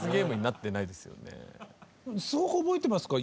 すごく覚えていますか？